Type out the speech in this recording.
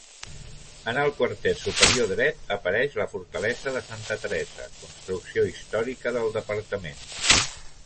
En el quarter superior dret apareix la Fortalesa de Santa Teresa, construcció històrica del departament.